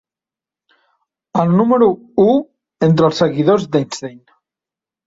El número u entre els seguidors d'Einstein.